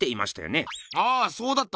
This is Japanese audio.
ああそうだった